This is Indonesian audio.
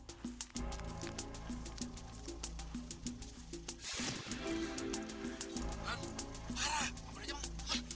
tuhan parah apa aja mau